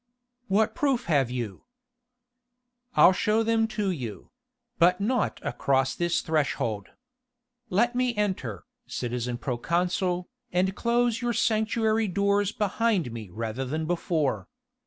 "What proof have you?" "I'll show them to you but not across this threshold. Let me enter, citizen proconsul, and close your sanctuary doors behind me rather than before.